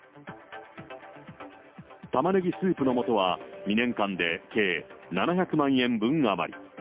タマネギスープのもとは２年間で計７００万円分余り。